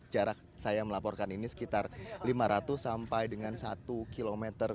jarak saya melaporkan ini sekitar lima ratus sampai dengan satu km